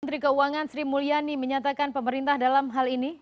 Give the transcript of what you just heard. menteri keuangan sri mulyani menyatakan pemerintah dalam hal ini